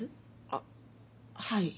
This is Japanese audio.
あっはい。